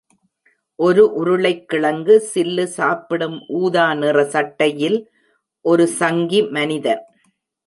ஒரு உருளைக்கிழங்கு சில்லு சாப்பிடும் ஊதா நிற சட்டையில் ஒரு சங்கி மனிதன்.